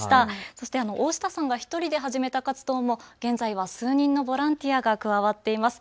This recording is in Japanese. そして大下さんが１人で始めた活動も現在は数人のボランティアが加わっています。